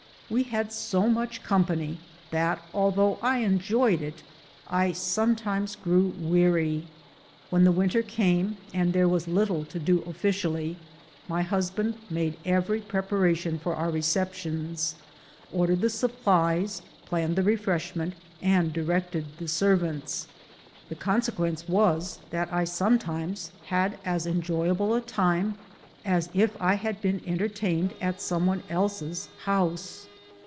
We had so much company that, though I enjoyed it, I sometimes grew weary. When the winter came and there was little to do 128 BOOTS AND SADDLES. oflScially, my husband made every preparation for our receptions : ordered the supplies, planned the refresh ment, and directed the servants. The consequence was that I sometimes had as enjoyable a time as if I had been entertained at some one else's house.